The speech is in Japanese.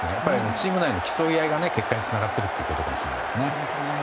チーム内の競い合いが結果につながっているということかもしれませんね。